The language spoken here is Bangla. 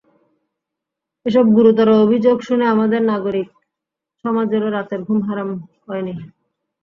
এসব গুরুতর অভিযোগ শুনে আমাদের নাগরিক সমাজেরও রাতের ঘুম হারাম হয়নি।